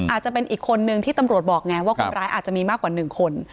อาจจะเป็นอีกคนนึงที่ตำรวจบอกไงว่าคนร้ายอาจจะมีมากกว่า๑คน